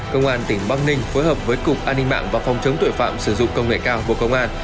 công an tỉnh bắc ninh phối hợp với cục an ninh mạng và phòng chống tội phạm sử dụng công nghệ cao bộ công an